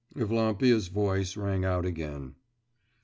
Evlampia's voice rang out again.